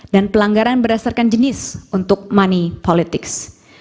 dan pelanggaran berdasarkan jenis untuk money politics